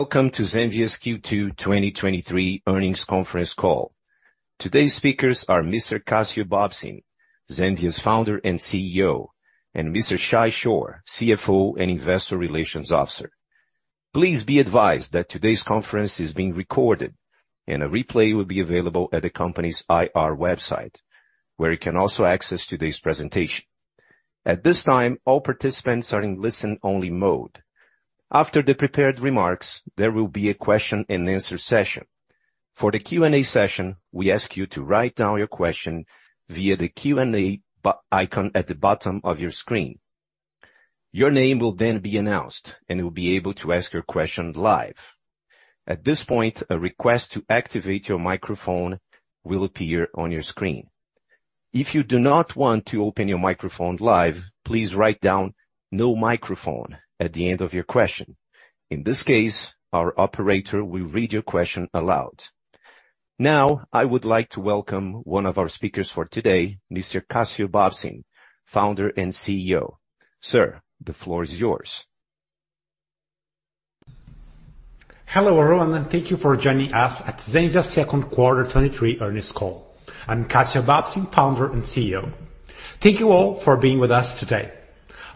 Welcome to Zenvia's Q2 2023 Earnings Conference Call. Today's speakers are Mr. Cassio Bobsin, Zenvia's founder and CEO, and Mr. Shay Chor, CFO and investor relations officer. Please be advised that today's conference is being recorded, and a replay will be available at the company's IR website, where you can also access today's presentation. At this time, all participants are in listen-only mode. After the prepared remarks, there will be a question and answer session. For the Q&A session, we ask you to write down your question via the Q&A icon at the bottom of your screen. Your name will then be announced, and you'll be able to ask your question live. At this point, a request to activate your microphone will appear on your screen. If you do not want to open your microphone live, please write down, "No microphone," at the end of your question. In this case, our operator will read your question aloud. Now, I would like to welcome one of our speakers for today, Mr. Cassio Bobsin, Founder, and CEO. Sir, the floor is yours. Hello, everyone, and thank you for joining us at Zenvia's Second Quarter 2023 Earnings Call. I'm Cassio Bobsin, founder, and CEO. Thank you all for being with us today.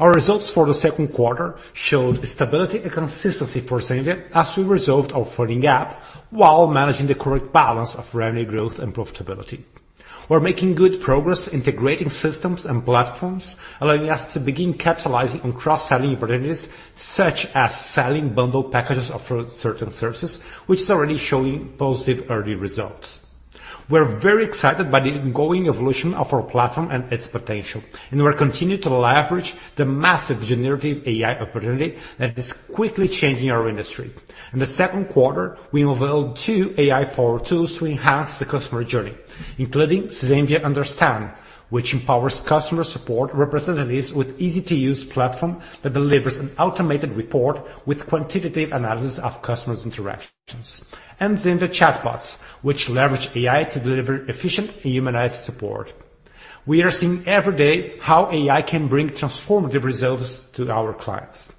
Our results for the second quarter showed stability and consistency for Zenvia as we resolved our funding gap while managing the correct balance of revenue growth and profitability. We're making good progress integrating systems and platforms, allowing us to begin capitalizing on cross-selling opportunities, such as selling bundle packages of certain services, which is already showing positive early results. We're very excited by the ongoing evolution of our platform and its potential, and we're continuing to leverage the massive generative AI opportunity that is quickly changing our industry. In the second quarter, we unveiled two AI-powered tools to enhance the customer journey, including Zenvia Understand, which empowers customer support representatives with easy-to-use platform that delivers an automated report with quantitative analysis of customers' interactions, and Zenvia Chatbots, which leverage AI to deliver efficient and humanized support. We are seeing every day how AI can bring transformative results to our clients.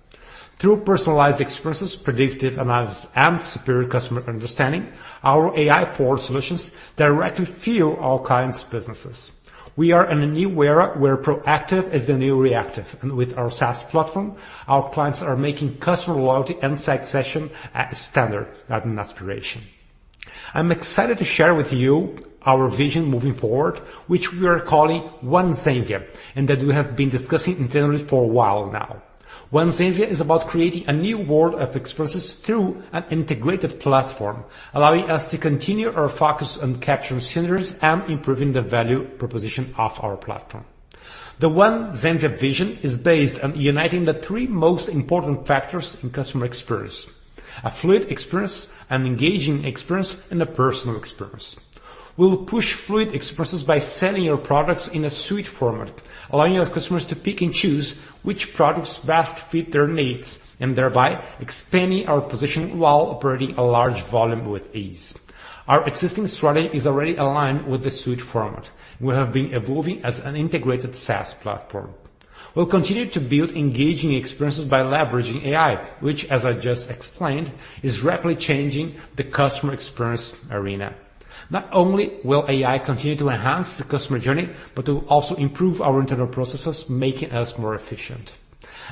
Through personalized experiences, predictive analysis, and superior customer understanding, our AI-powered solutions directly fuel our clients' businesses. We are in a new era where proactive is the new reactive, and with our SaaS platform, our clients are making customer loyalty and success a standard, not an aspiration. I'm excited to share with you our vision moving forward, which we are calling One Zenvia, and that we have been discussing internally for a while now. One Zenvia is about creating a new world of experiences through an integrated platform, allowing us to continue our focus on capturing scenarios and improving the value proposition of our platform. The One Zenvia vision is based on uniting the three most important factors in customer experience: a fluid experience, an engaging experience, and a personal experience. We'll push fluid experiences by selling our products in a suite format, allowing our customers to pick and choose which products best fit their needs, and thereby expanding our position while operating a large volume with ease. Our existing strategy is already aligned with the suite format. We have been evolving as an integrated SaaS platform. We'll continue to build engaging experiences by leveraging AI, which, as I just explained, is rapidly changing the customer experience arena. Not only will AI continue to enhance the customer journey, but it will also improve our internal processes, making us more efficient.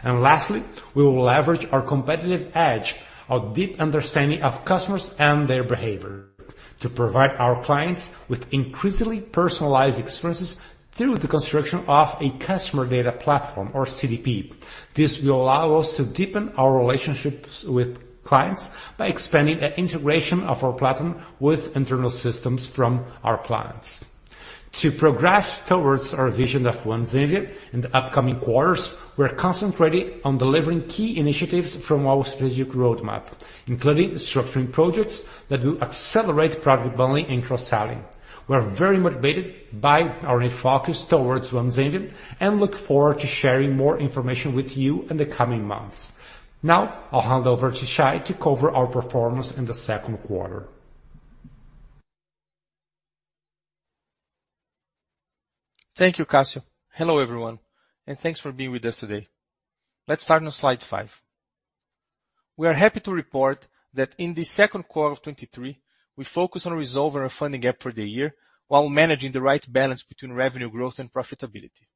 Lastly, we will leverage our competitive edge, our deep understanding of customers and their behavior, to provide our clients with increasingly personalized experiences through the construction of a customer data platform or CDP. This will allow us to deepen our relationships with clients by expanding the integration of our platform with internal systems from our clients. To progress towards our vision of One Zenvia in the upcoming quarters, we're concentrating on delivering key initiatives from our strategic roadmap, including structuring projects that will accelerate product bundling and cross-selling. We are very motivated by our new focus towards One Zenvia and look forward to sharing more information with you in the coming months. Now, I'll hand over to Shay to cover our performance in the second quarter. Thank you, Cassio. Hello, everyone, and thanks for being with us today. Let's start on slide 5. We are happy to report that in the second quarter of 2023, we focused on resolving our funding gap for the year while managing the right balance between revenue growth and profitability.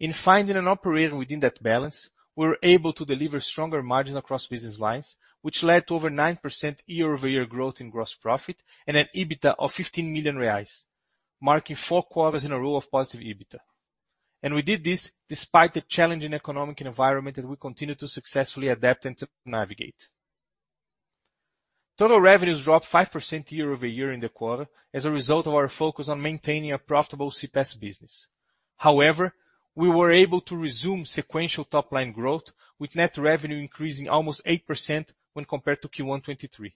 In finding and operating within that balance, we were able to deliver stronger margins across business lines, which led to over 9% year-over-year growth in gross profit and an EBITDA of 15 million reais, marking four quarters in a row of positive EBITDA. We did this despite the challenging economic environment that we continue to successfully adapt and to navigate. Total revenues dropped 5% year-over-year in the quarter as a result of our focus on maintaining a profitable CPaaS business. However, we were able to resume sequential top-line growth, with net revenue increasing almost 8% when compared to Q1 2023.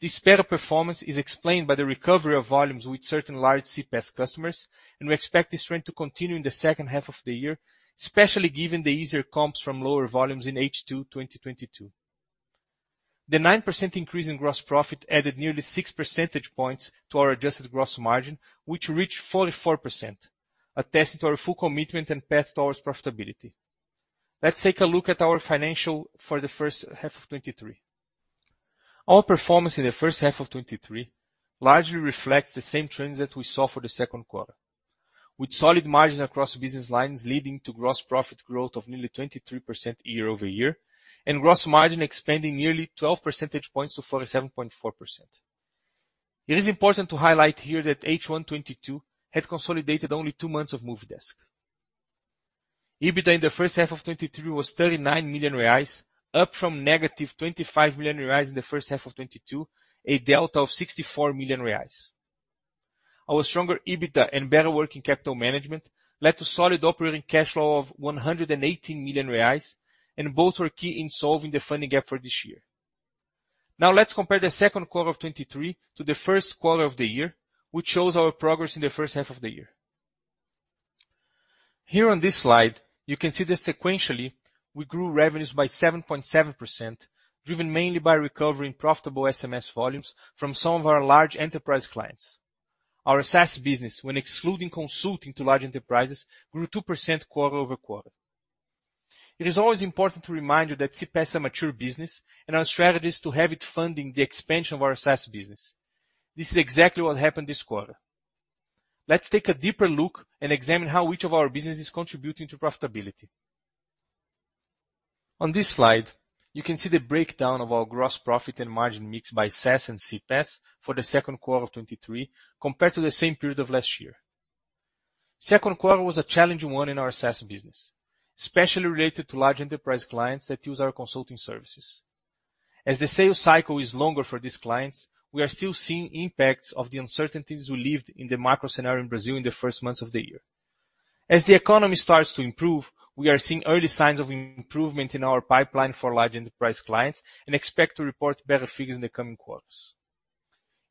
This better performance is explained by the recovery of volumes with certain large CPaaS customers, and we expect this trend to continue in the second half of the year, especially given the easier comps from lower volumes in H2 2022. The 9% increase in gross profit added nearly 6 percentage points to our adjusted gross margin, which reached 44%, attesting to our full commitment and path towards profitability. Let's take a look at our financial for the first half of 2023. Our performance in the first half of 2023 largely reflects the same trends that we saw for the second quarter, with solid margins across business lines leading to gross profit growth of nearly 23% year-over-year, and gross margin expanding nearly 12 percentage points to 47.4%. It is important to highlight here that H1 2022 had consolidated only two months of Movidesk. EBITDA in the first half of 2023 was 39 million reais, up from negative 25 million reais in the first half of 2022, a delta of 64 million reais. Our stronger EBITDA and better working capital management led to solid operating cash flow of 118 million reais, and both were key in solving the funding gap for this year. Let's compare the second quarter of 2023 to the first quarter of the year, which shows our progress in the first half of the year. Here on this slide, you can see that sequentially, we grew revenues by 7.7%, driven mainly by recovering profitable SMS volumes from some of our large enterprise clients. Our SaaS business, when excluding consulting to large enterprises, grew 2% quarter-over-quarter. It is always important to remind you that CPaaS is a mature business, and our strategy is to have it funding the expansion of our SaaS business. This is exactly what happened this quarter. Let's take a deeper look and examine how each of our businesses is contributing to profitability. On this slide, you can see the breakdown of our gross profit and margin mix by SaaS and CPaaS for the second quarter of 2023, compared to the same period of last year. Second quarter was a challenging one in our SaaS business, especially related to large enterprise clients that use our consulting services. As the sales cycle is longer for these clients, we are still seeing impacts of the uncertainties we lived in the macro scenario in Brazil in the first months of the year. As the economy starts to improve, we are seeing early signs of improvement in our pipeline for large enterprise clients and expect to report better figures in the coming quarters.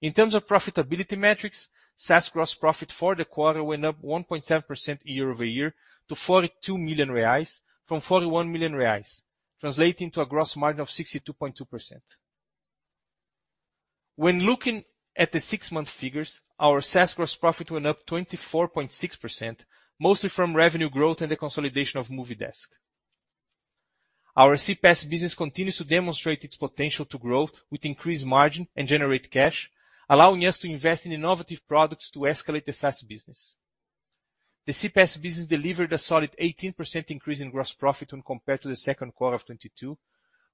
In terms of profitability metrics, SaaS gross profit for the quarter went up 1.7% year-over-year to 42 million reais from 41 million reais, translating to a gross margin of 62.2%. When looking at the six-month figures, our SaaS gross profit went up 24.6%, mostly from revenue growth and the consolidation of Movidesk. Our CPaaS business continues to demonstrate its potential to grow with increased margin and generate cash, allowing us to invest in innovative products to escalate the SaaS business. The CPaaS business delivered a solid 18% increase in gross profit when compared to the second quarter of 2022,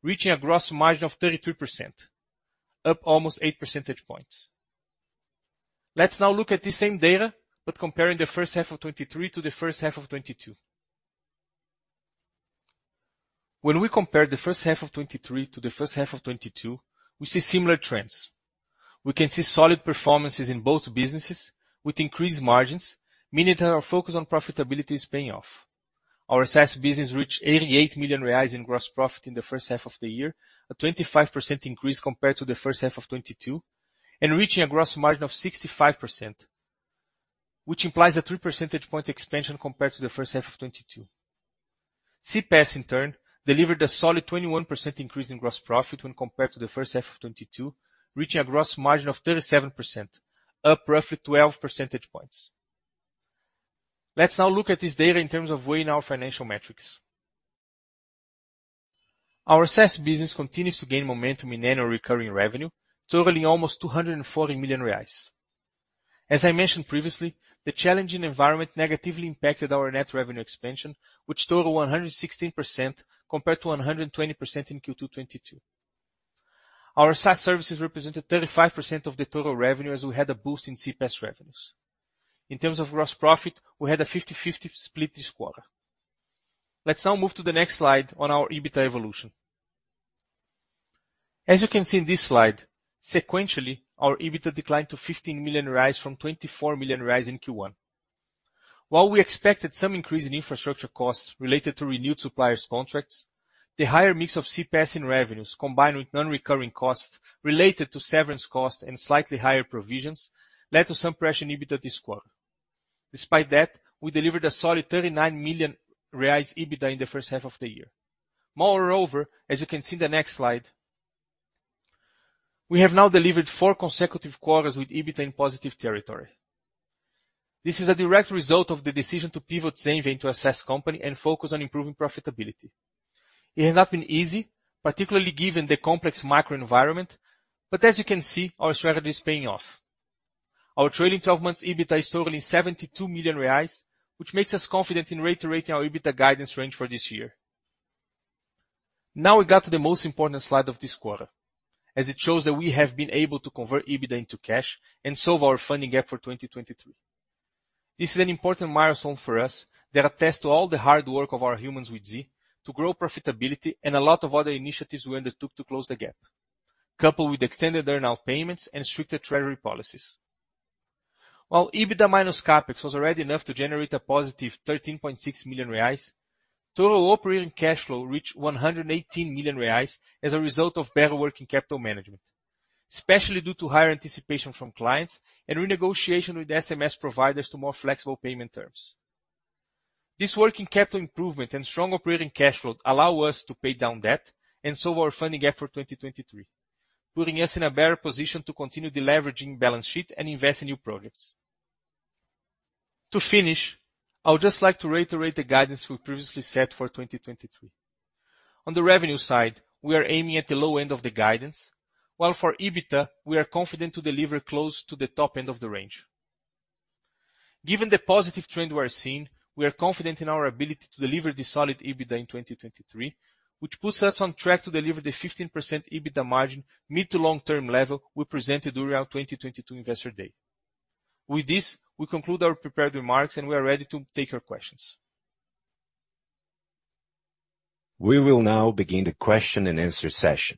reaching a gross margin of 33%, up almost 8 percentage points. Let's now look at the same data, but comparing the first half of 2023 to the first half of 2022. When we compare the first half of 2023 to the first half of 2022, we see similar trends. We can see solid performances in both businesses with increased margins, meaning that our focus on profitability is paying off. Our SaaS business reached 88 million reais in gross profit in the first half of the year, a 25% increase compared to the first half of 2022, and reaching a gross margin of 65%, which implies a 3 percentage point expansion compared to the first half of 2022. CPaaS, in turn, delivered a solid 21% increase in gross profit when compared to the first half of 2022, reaching a gross margin of 37%, up roughly 12 percentage points. Let's now look at this data in terms of weighing our financial metrics. Our SaaS business continues to gain momentum in annual recurring revenue, totaling almost 240 million reais. As I mentioned previously, the challenging environment negatively impacted our net revenue expansion, which totaled 116% compared to 120% in Q2 2022. Our SaaS services represented 35% of the total revenue, as we had a boost in CPaaS revenues. In terms of gross profit, we had a 50/50 split this quarter. Let's now move to the next slide on our EBITDA evolution. As you can see in this slide, sequentially, our EBITDA declined to 15 million from 24 million in Q1. While we expected some increase in infrastructure costs related to renewed suppliers' contracts, the higher mix of CPaaS in revenues, combined with non-recurring costs related to severance costs and slightly higher provisions, led to some pressure in EBITDA this quarter. Despite that, we delivered a solid 39 million reais EBITDA in the first half of the year. Moreover, as you can see in the next slide, we have now delivered four consecutive quarters with EBITDA in positive territory. This is a direct result of the decision to pivot Zenvia into a SaaS company and focus on improving profitability. It has not been easy, particularly given the complex macro environment, but as you can see, our strategy is paying off. Our trailing 12 months EBITDA is totaling 72 million reais, which makes us confident in reiterating our EBITDA guidance range for this year. We got to the most important slide of this quarter, as it shows that we have been able to convert EBITDA into cash and solve our funding gap for 2023. This is an important milestone for us that attests to all the hard work of our humans with Z to grow profitability and a lot of other initiatives we undertook to close the gap, coupled with extended earn-out payments and stricter treasury policies. While EBITDA minus CapEx was already enough to generate a positive 13.6 million reais, total operating cash flow reached 118 million reais as a result of better working capital management, especially due to higher anticipation from clients and renegotiation with SMS providers to more flexible payment terms. This working capital improvement and strong operating cash flow allow us to pay down debt and solve our funding effort for 2023, putting us in a better position to continue deleveraging balance sheet and invest in new projects. To finish, I would just like to reiterate the guidance we previously set for 2023. On the revenue side, we are aiming at the low end of the guidance, while for EBITDA, we are confident to deliver close to the top end of the range. Given the positive trend we are seeing, we are confident in our ability to deliver the solid EBITDA in 2023, which puts us on track to deliver the 15% EBITDA margin mid to long-term level we presented during our 2022 Investor Day. With this, we conclude our prepared remarks, and we are ready to take your questions. We will now begin the question and answer session.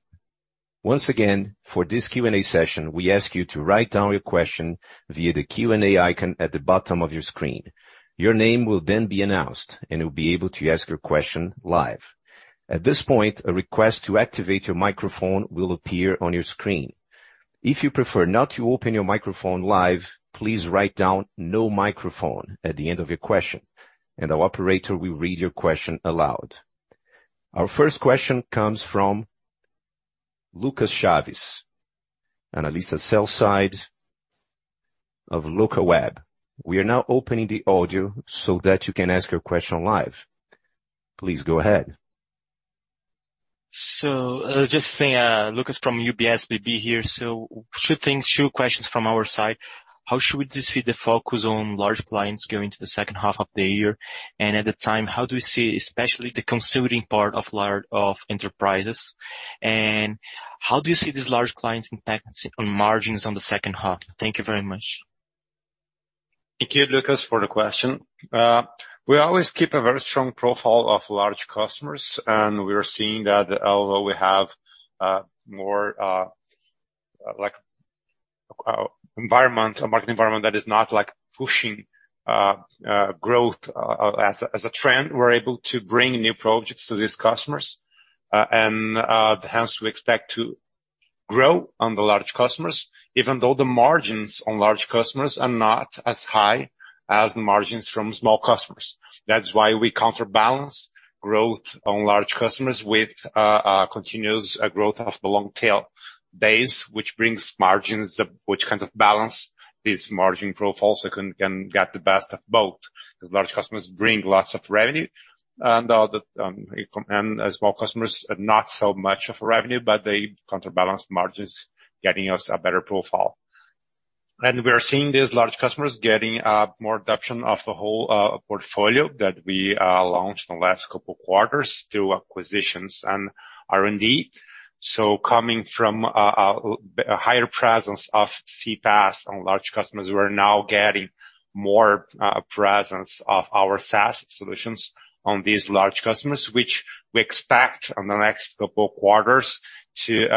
Once again, for this Q&A session, we ask you to write down your question via the Q&A icon at the bottom of your screen. Your name will be announced, and you'll be able to ask your question live. At this point, a request to activate your microphone will appear on your screen. If you prefer not to open your microphone live, please write down "no microphone" at the end of your question, and our operator will read your question aloud. Our first question comes from Lucas Chaves, Analyst at UBS BB. We are now opening the audio so that you can ask your question live. Please go ahead. Just saying, Lucas from UBS BB here. Two things, two questions from our side: How should we just see the focus on large clients going to the second half of the year? At the time, how do you see, especially the consulting part of large- of enterprises, and how do you see these large clients impacting on margins on the second half? Thank you very much. Thank you, Lucas, for the question. We always keep a very strong profile of large customers, and we are seeing that although we have macro environment, a market environment that is not like, pushing growth as a trend, we're able to bring new projects to these customers. Hence we expect to grow on the large customers, even though the margins on large customers are not as high as the margins from small customers. That's why we counterbalance growth on large customers with continuous growth of the long tail base, which brings margins which kind of balance this margin profile, so can get the best of both. 'Cause large customers bring lots of revenue and, the, and small customers, not so much of revenue, but they counterbalance margins, getting us a better profile. We are seeing these large customers getting more adoption of the whole portfolio that we launched in the last couple quarters through acquisitions and R&D. Coming from a, a, a higher presence of CPaaS on large customers, we're now getting more presence of our SaaS solutions on these large customers, which we expect on the next couple quarters to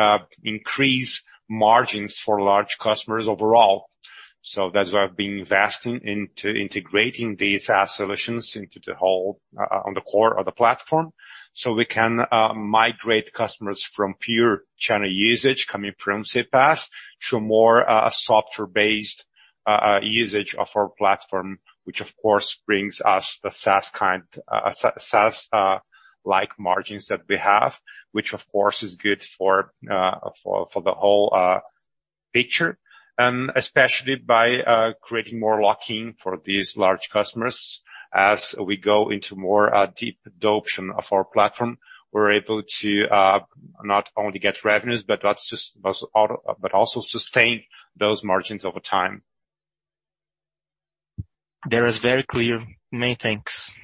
increase margins for large customers overall. That's why I've been investing into integrating these SaaS solutions into the whole on the core of the platform, so we can migrate customers from pure channel usage coming from CPaaS to a more software-based usage of our platform, which of course, brings us the SaaS kind SaaS margins that we have, which of course, is good for for for the whole picture, and especially by creating more lock-in for these large customers. As we go into more deep adoption of our platform, we're able to not only get revenues, but also sustain those margins over time. That is very clear. Many thanks.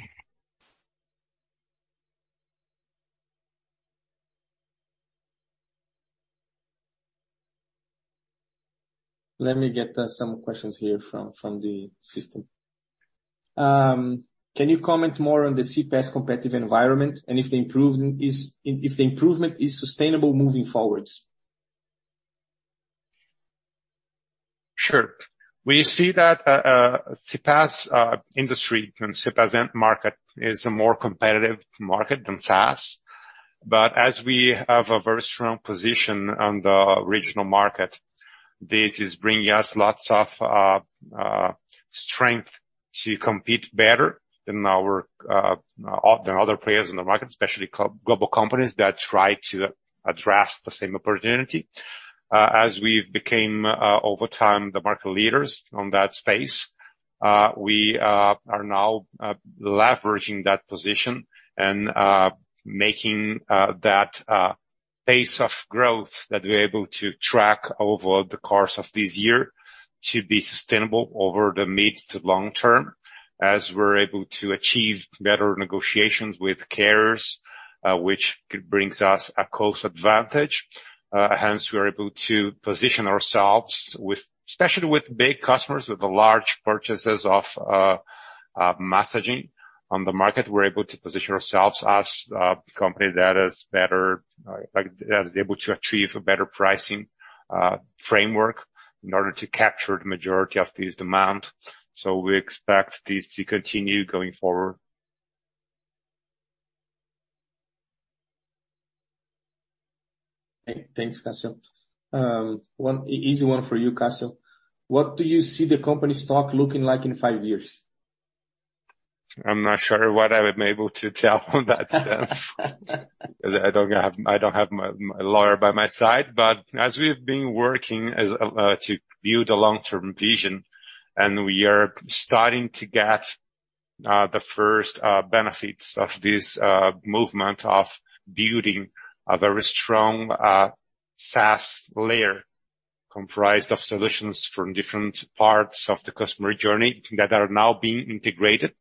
Let me get some questions here from, from the system. Can you comment more on the CPaaS competitive environment, and if the improvement is sustainable moving forwards? Sure. We see that CPaaS industry and CPaaS end market is a more competitive market than SaaS, but as we have a very strong position on the original market, this is bringing us lots of strength to compete better than our than other players in the market, especially global companies that try to address the same opportunity. As we've became over time, the market leaders on that space, we are now leveraging that position and making that pace of growth that we're able to track over the course of this year to be sustainable over the mid to long term, as we're able to achieve better negotiations with carriers, which brings us a cost advantage. Hence we are able to position ourselves with, especially with big customers, with the large purchases of messaging on the market, we're able to position ourselves as a company that is better, like, that is able to achieve a better pricing framework in order to capture the majority of this demand. We expect this to continue going forward. Thanks, Cassio. one, easy one for you, Cassio. What do you see the company stock looking like in five years? I'm not sure what I would be able to tell on that sense. I don't have, I don't have my, my lawyer by my side, but as we've been working as, to build a long-term vision, we are starting to get the first benefits of this movement of building a very strong SaaS layer, comprised of solutions from different parts of the customer journey that are now being integrated.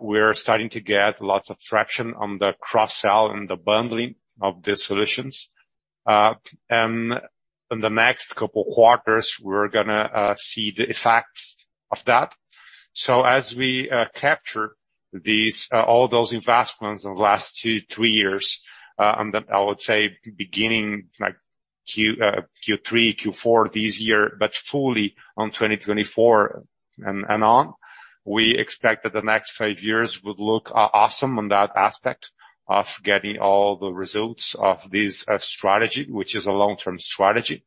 We're starting to get lots of traction on the cross-sell and the bundling of the solutions. In the next couple quarters, we're gonna see the effects of that. As we capture these all those investments in the last two, three years, I would say beginning like Q3, Q4 this year, but fully on 2024 and on, we expect that the next five years would look awesome on that aspect of getting all the results of this strategy, which is a long-term strategy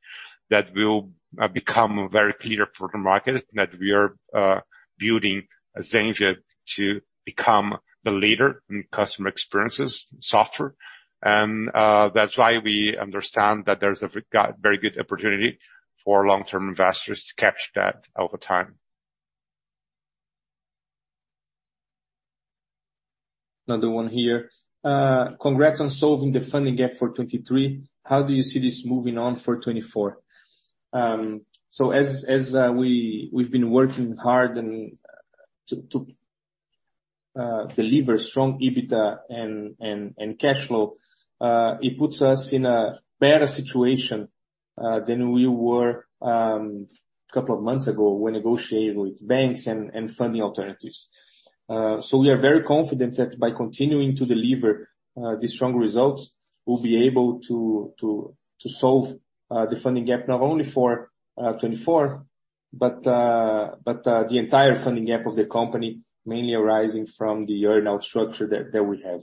that will become very clear for the market, that we are building Zenvia to become the leader in customer experiences software. That's why we understand that there's a very good opportunity for long-term investors to catch that over time. Another one here. Congrats on solving the funding gap for 2023. How do you see this moving on for 2024? As we've been working hard to deliver strong EBITDA and cash flow, it puts us in a better situation than we were a couple of months ago when negotiating with banks and funding alternatives. We are very confident that by continuing to deliver these strong results, we'll be able to solve the funding gap, not only for 2024, but the entire funding gap of the company, mainly arising from the earn-out structure that we have.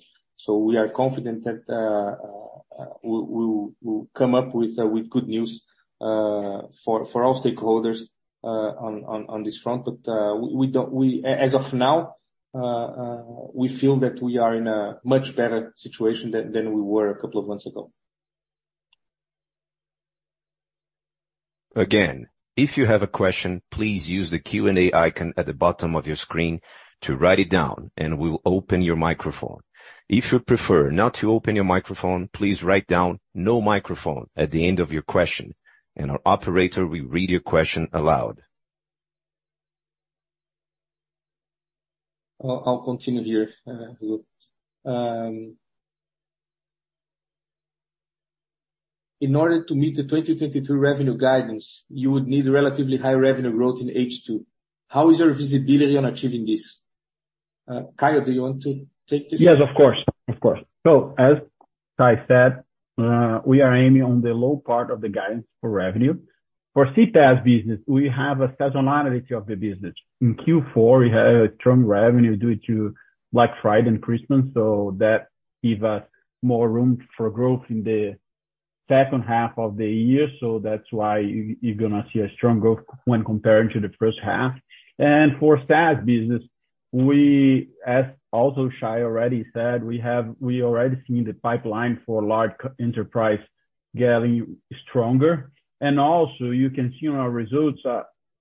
We are confident that we will, we will come up with good news for all stakeholders on this front. As of now, we feel that we are in a much better situation than, than we were a couple of months ago. Again, if you have a question, please use the Q&A icon at the bottom of your screen to write it down, and we'll open your microphone. If you prefer not to open your microphone, please write down "No microphone" at the end of your question, and our operator will read your question aloud. I'll, I'll continue here. In order to meet the 2022 revenue guidance, you would need relatively high revenue growth in H2. How is your visibility on achieving this? Caio, do you want to take this? Yes, of course, of course. As I said, we are aiming on the low part of the guidance for revenue. For CPaaS business, we have a seasonality of the business. In Q4, we have a strong revenue due to Black Friday and Christmas, so that give us more room for growth in the second half of the year, so that's why you're gonna see a strong growth when comparing to the first half. For SaaS business, we, as also Shay already said, we already seen the pipeline for large enterprise getting stronger. Also, you can see on our results,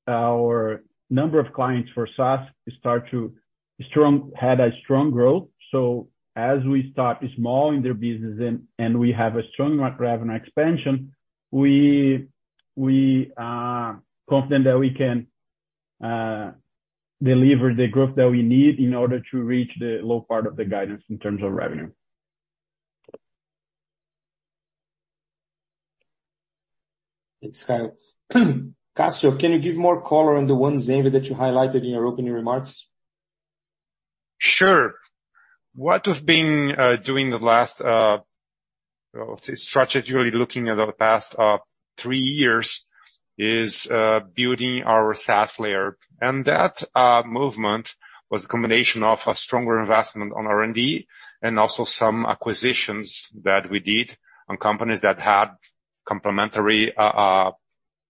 our number of clients for SaaS start to strong, had a strong growth. As we start small in their business and, and we have a strong revenue expansion, we, we are confident that we can deliver the growth that we need in order to reach the low part of the guidance in terms of revenue. Thanks, Caio. Cassio, can you give more color on the One Zenvia that you highlighted in your opening remarks? Sure. What we've been doing the last, I'll say, strategically looking at the past, three years, is building our SaaS layer. That movement was a combination of a stronger investment on R&D and also some acquisitions that we did on companies that had complementary,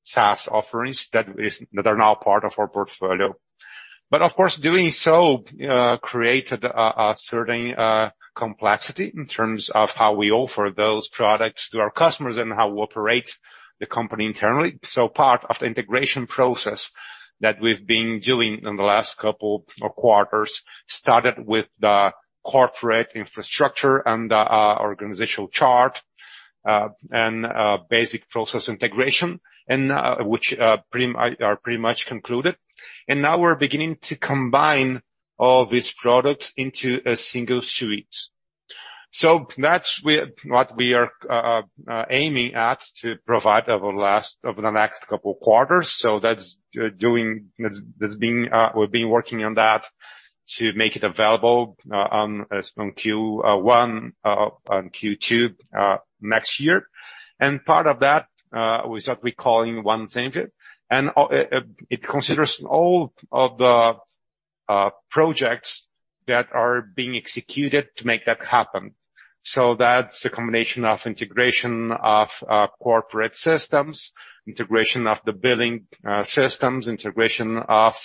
SaaS offerings that is, that are now part of our portfolio. Of course, doing so, created a certain complexity in terms of how we offer those products to our customers and how we operate the company internally. Part of the integration process that we've been doing in the last couple of quarters, started with the corporate infrastructure and the organizational chart, and basic process integration, and which are pretty much concluded. Now we're beginning to combine all these products into a single suite. That's what we are aiming at, to provide over the next couple quarters. That's doing, that's, that's being, we've been working on that to make it available on Q1, on Q2 next year. Part of that is what we calling One Zenvia, and it considers all of the projects that are being executed to make that happen. That's a combination of integration of corporate systems, integration of the billing systems, integration of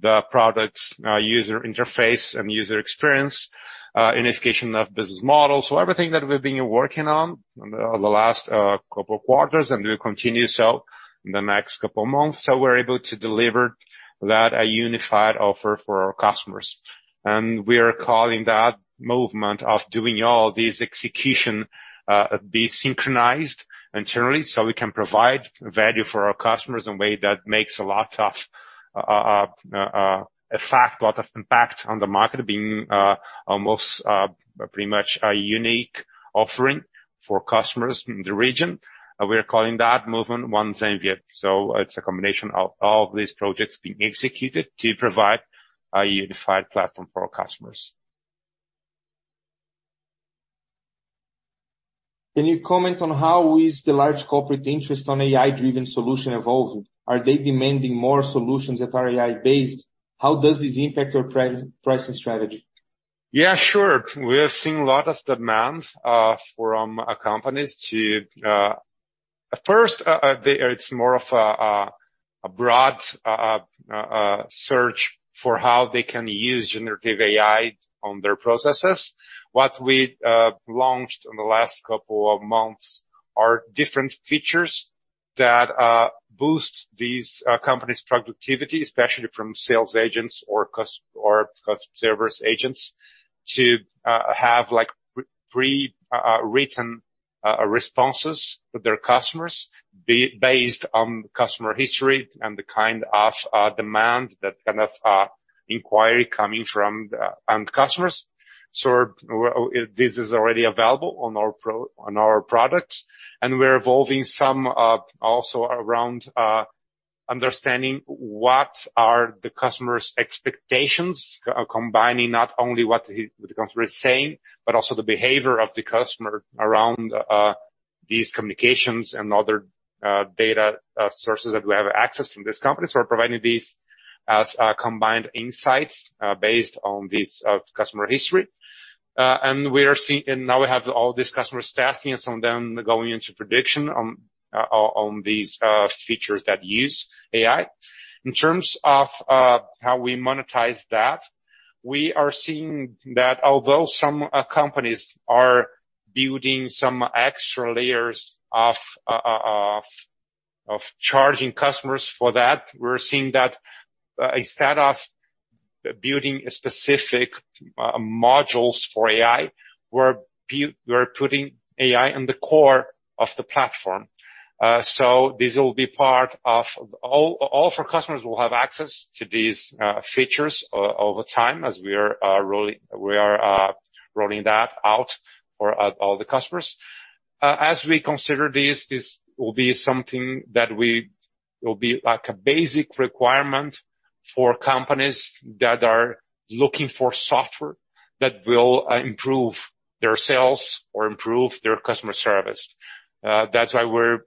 the products, user interface and user experience, unification of business models. Everything that we've been working on in the last couple quarters, and we'll continue so in the next couple months, so we're able to deliver that a unified offer for our customers. We are calling that movement of doing all this execution, be synchronized internally, so we can provide value for our customers in a way that makes a lot of effect, a lot of impact on the market, being almost pretty much a unique offering for customers in the region. We are calling that movement One Zenvia. It's a combination of, of these projects being executed to provide a unified platform for our customers. Can you comment on how is the large corporate interest on AI-driven solution evolving? Are they demanding more solutions that are AI-based? How does this impact your pricing strategy? Yeah, sure. We have seen a lot of demand from companies to, first, it's more of a broad search for how they can use generative AI on their processes. What we launched in the last couple of months are different features that boost these companies' productivity, especially from sales agents or customer service agents, to have, like, pre-written responses to their customers, based on customer history and the kind of demand, that kind of inquiry coming from the end customers. This is already available on our products, and we're evolving some, also around, understanding what are the customer's expectations, combining not only what the customer is saying, but also the behavior of the customer around these communications and other data sources that we have access from this company. We're providing these as combined insights based on this customer history. We are seeing... Now we have all these customers testing, and some of them going into prediction on these features that use AI. In terms of how we monetize that, we are seeing that although some companies are building some extra layers of charging customers for that, we're seeing that instead of building specific modules for AI, we're putting AI in the core of the platform. This will be part of all of our customers will have access to these features over time, as we are rolling, we are rolling that out for all the customers. As we consider this, this will be something that will be like a basic requirement for companies that are looking for software that will improve their sales or improve their customer service. That's why we're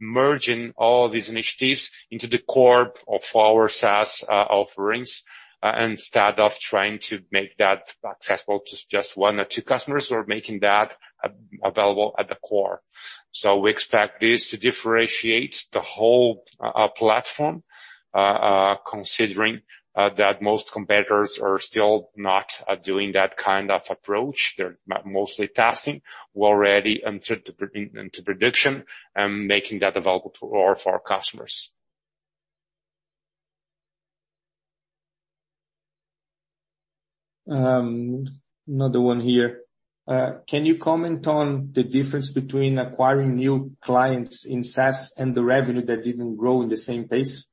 merging all these initiatives into the core of our SaaS offerings, instead of trying to make that accessible to just one or two customers, we're making that available at the core. We expect this to differentiate the whole platform, considering that most competitors are still not doing that kind of approach. They're mostly testing. We're already into prediction and making that available to all of our customers. Another one here. Can you comment on the difference between acquiring new clients in SaaS and the revenue that didn't grow in the same pace?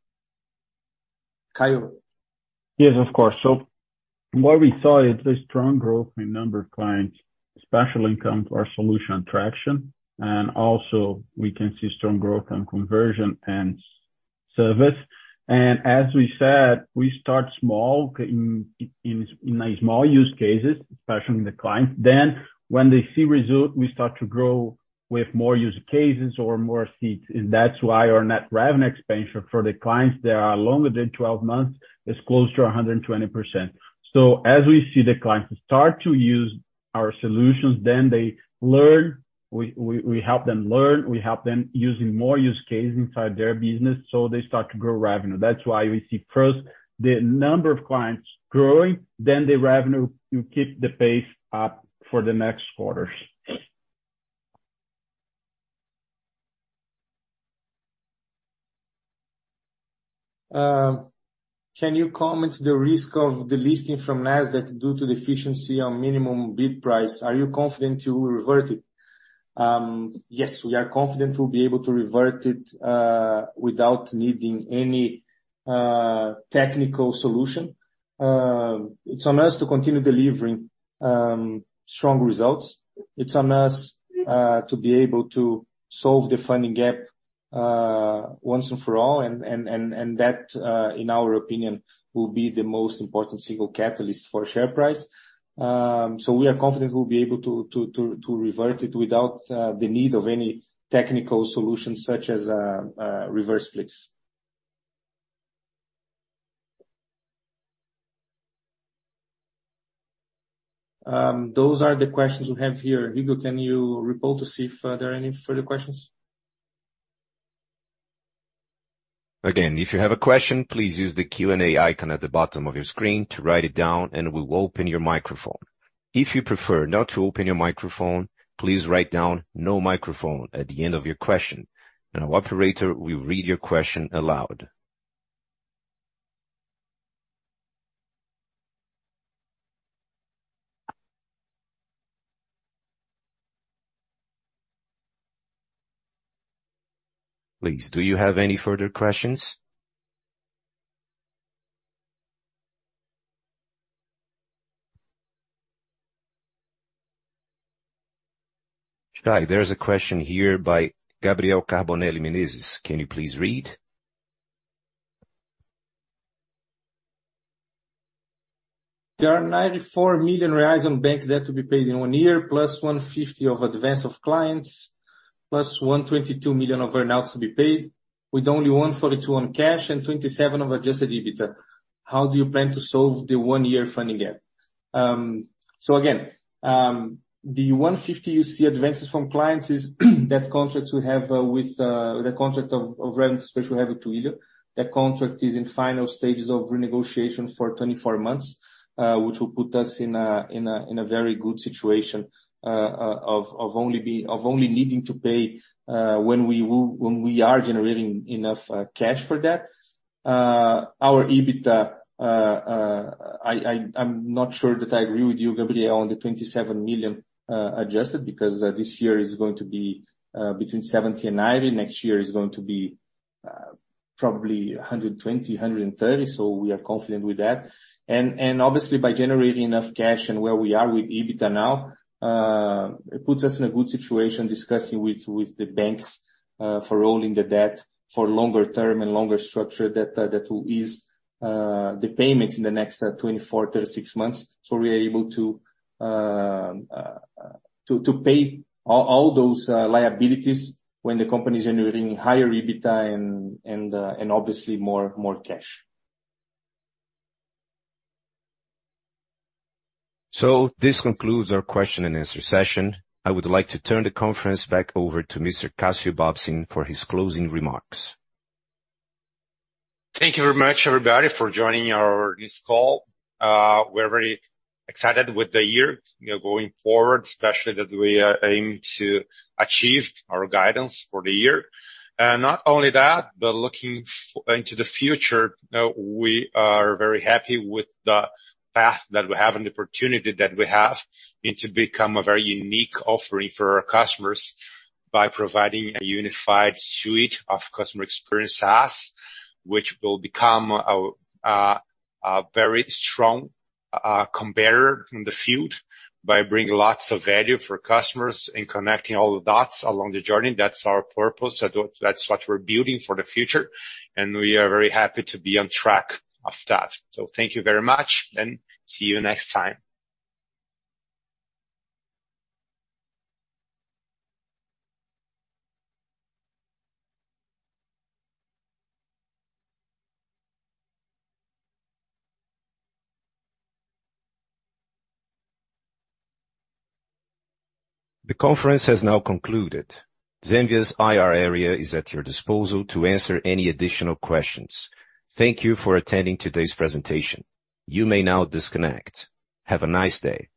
Caio? Yes, of course. What we saw is a strong growth in number of clients, especially when it comes to our solution traction, and also we can see strong growth on conversion and service. As we said, we start small in a small use cases, especially in the client. When they see result, we start to grow with more use cases or more seats, and that's why our net revenue expansion for the clients that are longer than 12 months is close to 120%. As we see the clients start to use our solutions, then they learn. We help them learn, we help them using more use case inside their business, so they start to grow revenue. That's why we see first the number of clients growing, then the revenue will keep the pace up for the next quarters. Can you comment the risk of the listing from Nasdaq due to the deficiency on minimum bid price? Are you confident you will revert it? Yes, we are confident we'll be able to revert it without needing any technical solution. It's on us to continue delivering strong results. It's on us to be able to solve the funding gap once and for all, and, and, and, and that, in our opinion, will be the most important single catalyst for share price. We are confident we'll be able to, to, to, to revert it without the need of any technical solutions such as reverse splits. Those are the questions we have here. Hugo, can you report to see if there are any further questions? Again, if you have a question, please use the Q&A icon at the bottom of your screen to write it down, and we'll open your microphone. If you prefer not to open your microphone, please write down, "No microphone," at the end of your question, and our operator will read your question aloud. Please, do you have any further questions? Hi, there's a question here by Gabriel Carbonelli Meneses. Can you please read? There are 94 million reais on bank debt to be paid in one year, plus 150 of advance of clients, plus 122 million of earn-outs to be paid, with only 142 on cash and 27 of adjusted EBITDA. How do you plan to solve the one year funding gap? So again, the 150 you see advances from clients is that contracts we have with the contract of rent, special habit to iFood. That contract is in final stages of renegotiation for 24 months, which will put us in a very good situation of only needing to pay when we are generating enough cash for that. Our EBITDA... I, I, I'm not sure that I agree with you, Gabriel, on the 27 million adjusted, because this year is going to be between 70 million-90 million. Next year is going to be probably 120 million-130 million. We are confident with that. Obviously, by generating enough cash and where we are with EBITDA now, it puts us in a good situation discussing with the banks for rolling the debt for longer term and longer structure that will ease the payments in the next 24-36 months. We are able to to pay all those liabilities when the company is generating higher EBITDA and and obviously more, more cash. This concludes our question and answer session. I would like to turn the conference back over to Mr. Cassio Bobsin for his closing remarks. Thank you very much, everybody, for joining this call. We're very excited with the year, you know, going forward, especially that we are aiming to achieve our guidance for the year. Not only that, but looking into the future, we are very happy with the path that we have and the opportunity that we have, and to become a very unique offering for our customers by providing a unified suite of customer experience SaaS, which will become a very strong competitor in the field by bringing lots of value for customers and connecting all the dots along the journey. That's our purpose, that's what we're building for the future, and we are very happy to be on track of that. Thank you very much, and see you next time. The conference has now concluded. Zenvia's IR area is at your disposal to answer any additional questions. Thank you for attending today's presentation. You may now disconnect. Have a nice day!